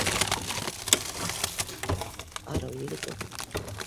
Арыу егет ул